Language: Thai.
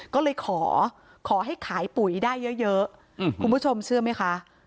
ก็เลยขอขอให้ขายปุ๋ยได้เยอะคุณผู้ชมเชื่อไหมคะ